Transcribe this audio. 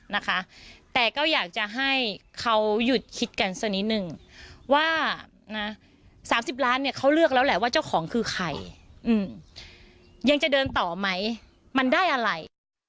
นะ๓๐ล้านเนี่ยเขาเลือกแล้วแหละว่าเจ้าของคือใครอืมยังจะเดินต่อไหมมันได้อะไร